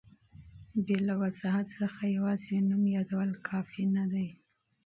بې له وضاحت څخه یوازي نوم یادول کافي نه دي.